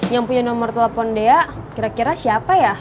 yang punya nomor telepon dea kira kira siapa ya